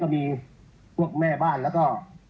มีพวกแม่บ้านแล้วก็